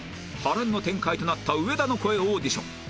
波乱の展開となった上田の声オーディション